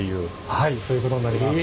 はいそういうことになります。